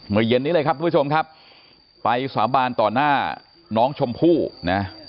เย็นนี้เลยครับทุกผู้ชมครับไปสาบานต่อหน้าน้องชมพู่นะ